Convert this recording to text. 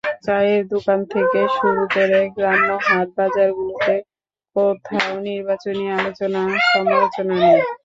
চায়ের দোকান থেকে শুরু করে গ্রাম্য হাট-বাজারগুলোতে কোথাও নির্বাচনী আলোচনা-সমালোচনা নেই।